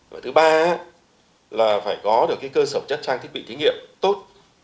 và thứ ba là phải có được cái cơ sở chất trang thiết bị thí nghiệm tốt